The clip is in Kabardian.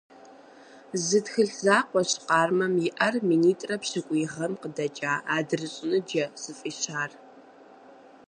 Зы тхылъ закъуэщ Къармэм иӀэр – минитӀрэ пщыкӀуй гъэм къыдэкӀа «АдрыщӀ ныджэ» зыфӀищар.